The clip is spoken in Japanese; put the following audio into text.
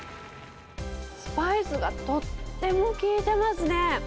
スパイスがとっても効いてますね。